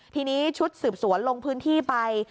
ทีนี้ชุดสืบสวนลงพื้นที่ไป